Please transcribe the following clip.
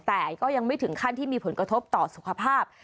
แต่ก็ยังไม่ถึงขั้นที่มีผลกระทบต่อสุขภาพ